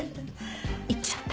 言っちゃった。